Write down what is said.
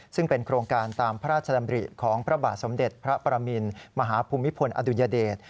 ซึ่งเป็นโครงการตามพระราชดำริของพระบาทสมเด็จพระประมินมหาภูมิพลอดุญเดช